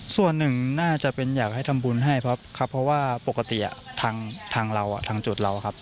ส่วนหนึ่งน่าจะเป็นอยากให้ทำบุญให้ครับเพราะว่าปกติทางเราทางจุดเราครับ